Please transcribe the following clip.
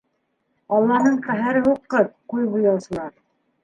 Алланың ҡәһәре һуҡҡыр, күҙ буяусылар.